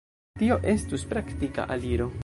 Tio estus praktika aliro.